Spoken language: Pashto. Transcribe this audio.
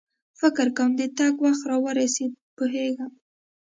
فکر کوم د تګ وخت را ورسېد، پوهېږم.